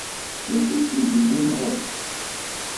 D acu i kem-iwwin ɣur-s?